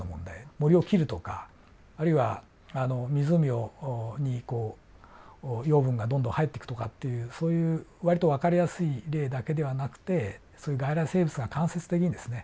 森を切るとかあるいは湖にこう養分がどんどん入っていくとかっていうそういう割とわかりやすい例だけではなくてそういう外来生物が間接的にですね